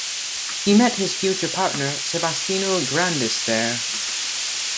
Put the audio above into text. He met his future partner Sebastiano Grandis there.